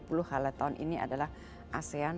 g dua puluh halal tahun ini adalah asean